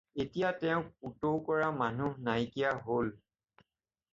এতিয়া তেওঁক পুতৌ কৰা মানুহ নাইকিয়া হ'ল।